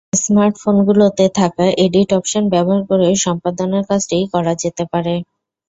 Smart ফোনগুলোতে থাকা edit option ব্যবহার করেও সম্পাদনার কাজটি করা যেতে পারে।